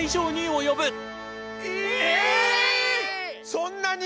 そんなに？